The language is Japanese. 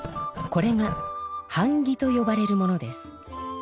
これがはん木とよばれるものです。